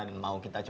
dan mau kita